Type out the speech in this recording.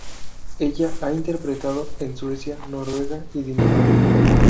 Ella ha interpretado en Suecia, Noruega, y Dinamarca.